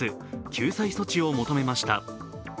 救済措置を求めました。